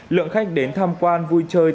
lượng khách đến tham quan vui chơi